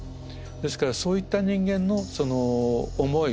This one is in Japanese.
ですからそういった人間のその思い